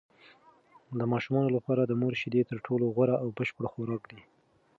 د ماشومانو لپاره د مور شیدې تر ټولو غوره او بشپړ خواړه دي.